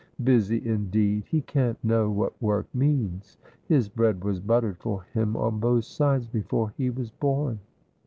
Busy, indeed ! He can't know what work means. His bread was buttered for him on both sides, before he was born.'